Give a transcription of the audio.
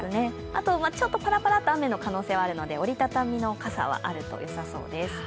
あとパラパラと雨の可能性があるので折りたたみの傘はあると良さそうです。